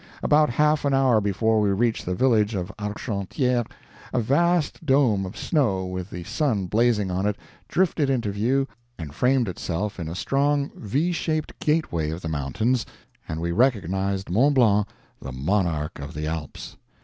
About half an hour before we reached the village of Argentière a vast dome of snow with the sun blazing on it drifted into view and framed itself in a strong V shaped gateway of the mountains, and we recognized Mont Blanc, the "monarch of the Alps."